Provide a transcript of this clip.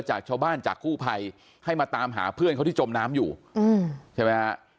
จากชาวบ้านจากกู้ภัยให้มาตามหาเพื่อนเขาที่จมน้ำอยู่ใช่ไหมฮะ